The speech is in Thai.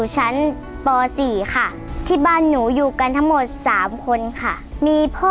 เชิญครับ